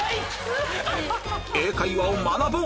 英会話を学ぼう！